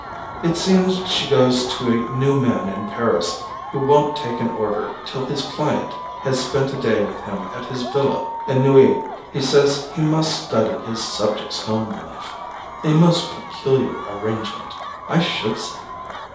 It seems she goes to a new man in Paris, who won't take an order till his client has spent a day with him at his villa at Neuilly. He says he must study his subject's home life—a most peculiar arrangement, I should say!